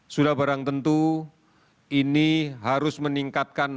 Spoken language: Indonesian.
sudah barang tentu ini harus meningkatkan